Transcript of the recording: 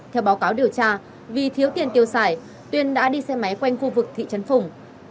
theo báo cáo điều tra vì thiếu tiền tiêu xài tuyên đã đi xe máy quanh khu vực thị trấn phùng